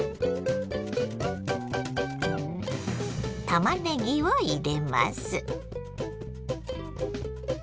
たまねぎを入れます。